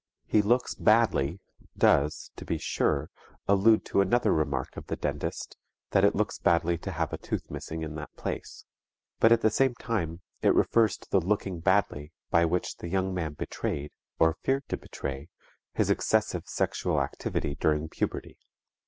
"He looks badly" does, to be sure, allude to another remark of the dentist, that it looks badly to have a tooth missing in that place; but at the same time it refers to the "looking badly" by which the young man betrayed, or feared to betray, his excessive sexual activity during puberty.